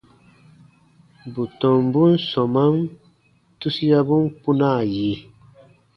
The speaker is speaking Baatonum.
Bù tɔmbun sɔmaan tusiabun kpunaa yi.